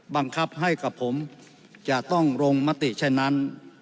บังคับให้กับผมจะต้องลงมติเช่นนั้น